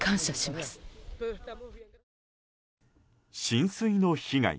浸水の被害。